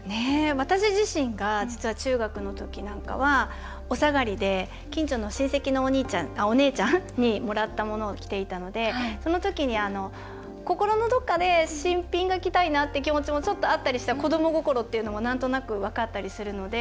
私自身が実は中学のときなんかはお下がりで近所の親戚のお姉ちゃんにもらったものを着ていたのでそのときに心のどこかで新品が着たいなっていう気持ちもちょっとあったりした子ども心っていうのもなんとなく分かったりするので。